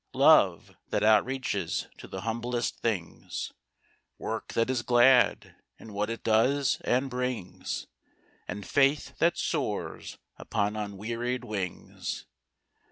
Love, that outreaches to the humblest things; Work that is glad, in what it does and brings; And faith that soars upon unwearied wings.